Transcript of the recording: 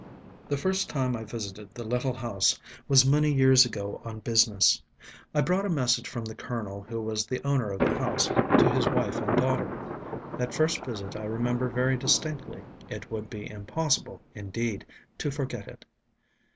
... The first time I visited the little house was many years ago on business. I brought a message from the Colonel who was the owner of the house to his wife and daughter. That first visit I remember very distinctly. It would be impossible, indeed, to forget it.